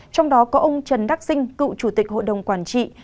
trong đó có ông trần đắc sinh cựu chủ tịch hội đồng quản trị